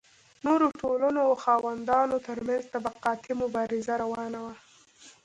نورو ټولنو او خاوندانو ترمنځ طبقاتي مبارزه روانه وه.